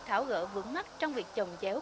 tháo gỡ vững mắt trong việc chồng chéo